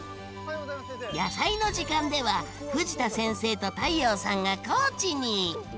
「やさいの時間」では藤田先生と太陽さんが高知に！